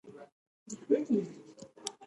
افغانستان د غوښې د ترویج لپاره پروګرامونه لري.